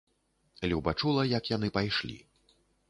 Люба чула, як яны пайшлі.